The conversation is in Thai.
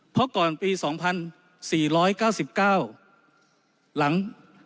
เพราะก่อนปีสองพันสี่ร้อยเก้าสิบเก้าหลัง